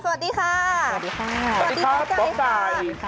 สวัสดีค่ะสวัสดีครับหมอไก่ค่ะ